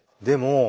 でも。